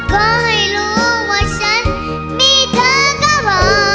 ขอให้รู้ว่าฉันมีเธอก็รอ